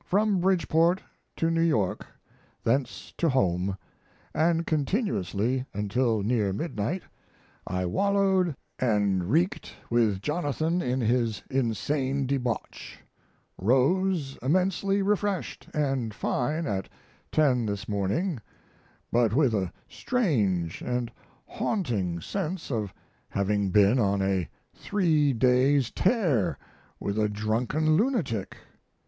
] From Bridgeport to New York, thence to home, & continuously until near midnight I wallowed & reeked with Jonathan in his insane debauch; rose immensely refreshed & fine at ten this morning, but with a strange & haunting sense of having been on a three days' tear with a drunken lunatic.